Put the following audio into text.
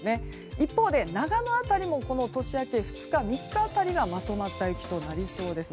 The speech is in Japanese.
一方で、長野辺りも年明け２日、３日辺りはまとまった雪となりそうです。